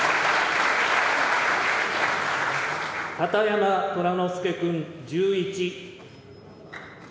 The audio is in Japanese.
片山虎之助君１１。